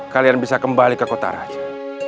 kalian bisa kembali ke kota raja